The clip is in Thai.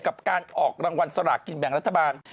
กับการออกรางวัลสลากกินแบ่งรัฐบาล